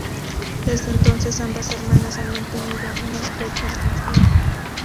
Desde entonces, ambas hermanas han mantenido una estrecha relación.